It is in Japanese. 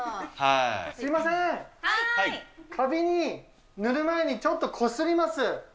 すみません、かびに塗る前にちょっとこすります。